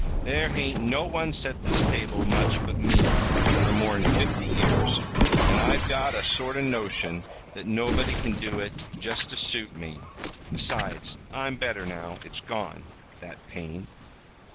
"There hain't no one set this table much but me for more'n fifty years, an' I've got a sort of notion that nobody can do it just ter suit me. Besides, I'm better now. It's gone that pain."